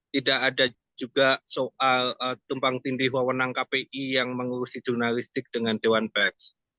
tidak ada juga soal tumpang tindih wawenang kpi yang mengurusi jurnalistik dengan dewan pers